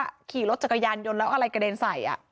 ขี่รถจักรยานยนต์แล้วอะไรกระเด็นใส่